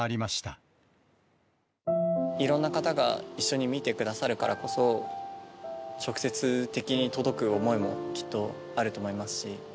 いろんな方が一緒に見てくださるからこそ、直接的に届く思いもきっとあると思いますし。